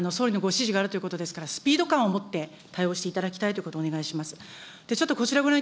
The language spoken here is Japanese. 総理のご指示があるということですから、スピード感を持って対応をしていただきたいということをお願いします。